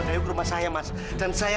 nggak ada dewi